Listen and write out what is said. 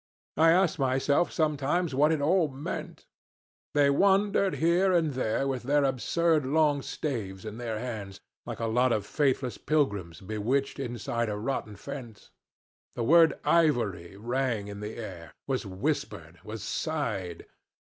I asked myself sometimes what it all meant. They wandered here and there with their absurd long staves in their hands, like a lot of faithless pilgrims bewitched inside a rotten fence. The word 'ivory' rang in the air, was whispered, was sighed.